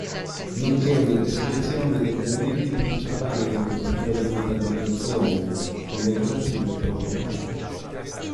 Nonché una descrizione degli elementi principali del profilo di metadatazione con le relative proprietà.